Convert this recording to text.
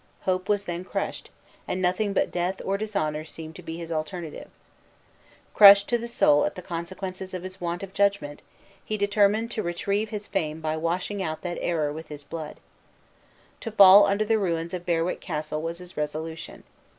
Hope was then crushed, and nothing but death or dishonor seemed to be his alternatives. Cut to the soul at the consequences of his want of judgment, he determined to retrieve his fame by washing out that error with his blood. To fall under the ruins of Berwick Castle was his resolution.